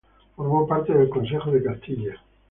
Formó parte del Consejo de Castilla.